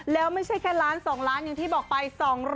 แล้วไม่ใช่แค่ล้าน๒ล้านอย่างที่บอกไป